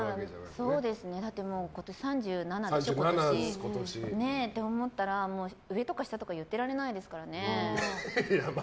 今年３７でしょ。と思ったら上とか下とか言ってられないですからね。